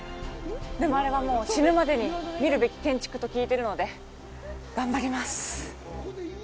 でも、あれは死ぬまでに見るべき建築と聞いているので頑張ります。